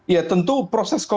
ya tentu proses komunikasi